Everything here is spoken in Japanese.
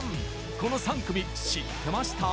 この３組、知ってました？